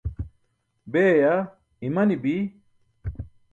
Beeya imanibi.